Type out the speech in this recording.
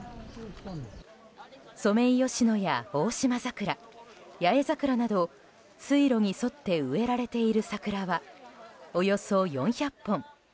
ソメイヨシノやオオシマザクラ八重桜など水路に沿って植えられている桜はおよそ４００本。